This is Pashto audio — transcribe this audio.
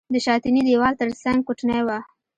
د شاتني دېوال تر څنګ کوټنۍ وه.